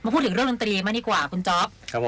พูดถึงเรื่องดนตรีมากดีกว่าคุณจ๊อป